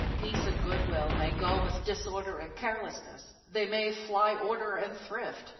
Peace and good will may go with disorder and carelessness! They may fly order and thrift.